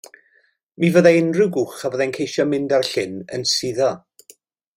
Mi fyddai unrhyw gwch a fyddai'n ceisio mynd ar y llyn yn suddo.